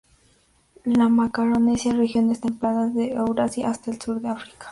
De Macaronesia, regiones templadas de Eurasia hasta el sur de África.